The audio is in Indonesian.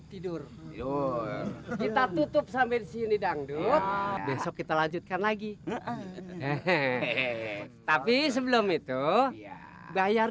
tidur yuk kita tutup sampai disini dangdut besok kita lanjutkan lagi hehehe tapi sebelum itu bayar